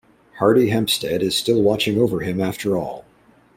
Hardy Hempstead' is still watching over him after all.